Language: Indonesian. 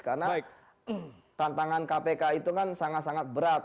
karena tantangan kpk itu kan sangat sangat berat